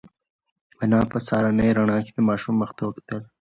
انا په سهارنۍ رڼا کې د ماشوم مخ ته وکتل.